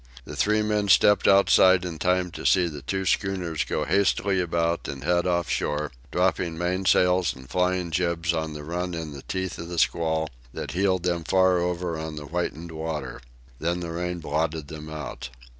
The three men stepped outside in time to see the two schooners go hastily about and head off shore, dropping mainsails and flying jibs on the run in the teeth of the squall that heeled them far over on the whitened water. Then the rain blotted them out.